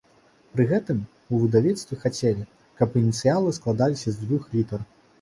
Пры гэтым, у выдавецтве хацелі, каб ініцыялы складаліся з дзвюх літар.